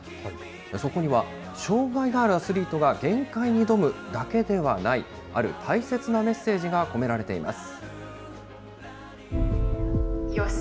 そこには、障害があるアスリートが限界に挑むだけではない、ある大切なメッセージが込められています。